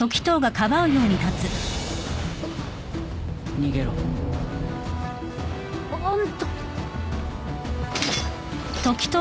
逃げろ。あんた。